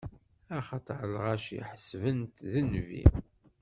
Axaṭer lɣaci ḥesben-t d nnbi.